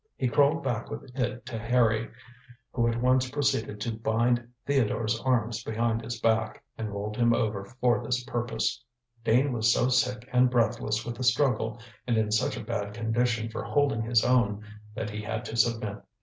He crawled back with it to Harry, who at once proceeded to bind Theodore's arms behind his back, and rolled him over for this purpose. Dane was so sick and breathless with the struggle and in such a bad condition for holding his own, that he had to submit.